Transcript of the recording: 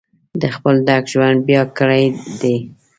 د خپل ډک ژوند بیان کړی دی.